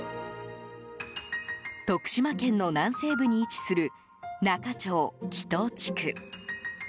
徳島県の南西部に位置する那賀町木頭地区。